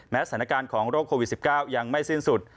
สถานการณ์ของโรคโควิด๑๙ยังไม่สิ้นสุด